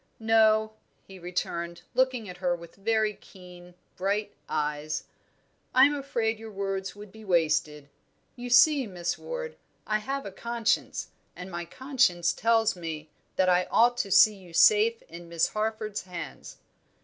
"No," he returned, looking at her with very keen, bright eyes. "I am afraid your words would be wasted. You see, Miss Ward, I have a conscience, and my conscience tells me that I ought to see you safe in Miss Harford's hands."